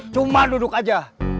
cuma duduk aja